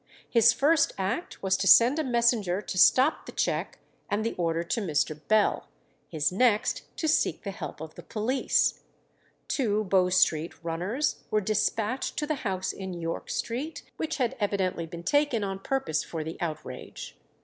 His first act was to send a messenger to stop the cheque and the order to Mr. Bell, his next to seek the help of the police. Two Bow Street runners were despatched to the house in York Street, which had evidently been taken on purpose for the outrage.